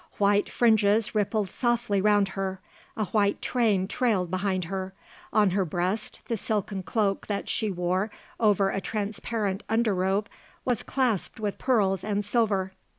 White fringes rippled softly round her; a white train trailed behind her; on her breast the silken cloak that she wore over a transparent under robe was clasped with pearls and silver.